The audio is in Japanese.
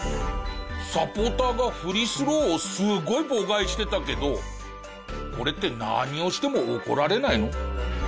サポーターがフリースローをすごい妨害してたけどこれって何をしても怒られないの？